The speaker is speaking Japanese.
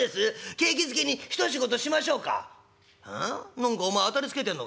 何かお前当たりつけてんのかい？」。